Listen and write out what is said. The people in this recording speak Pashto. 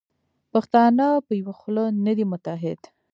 پښتانه په یوه خوله نه دي متحد.